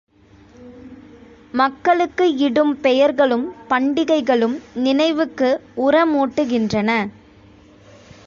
மக்களுக்கு இடும் பெயர்களும், பண்டிகைகளும் நினைவுக்கு உரமூட்டுகின்றன.